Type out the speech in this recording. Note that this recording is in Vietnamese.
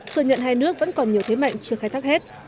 thừa nhận hai nước vẫn còn nhiều thế mạnh chưa khai thác hết